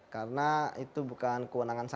karena itu bukan kewenangan saya